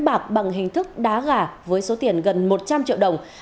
bạc bằng hình thức đá gà với số tiền gần một trăm linh triệu đồng